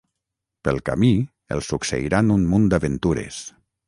Pel camí, els succeiran un munt d'aventures.